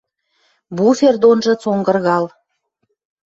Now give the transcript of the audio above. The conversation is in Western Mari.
Буфер донжы цонгыргал.